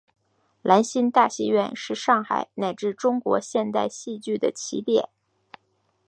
兰心大戏院是上海乃至中国现代戏剧的起点。